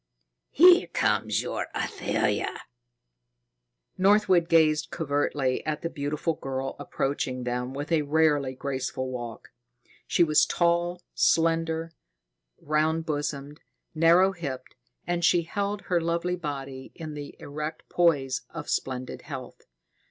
Here comes your Athalia!" Northwood gazed covertly at the beautiful girl approaching them with a rarely graceful walk. She was tall, slender, round bosomed, narrow hipped, and she held her lovely body in the erect poise of splendid health.